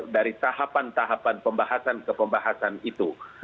dari tahapan tahapan pembahasan ke pembahasan itu